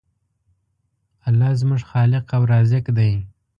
الله زموږ خالق او رازق دی.